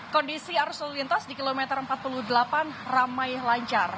kondisi arus lalu lintas di kilometer empat puluh delapan ramai lancar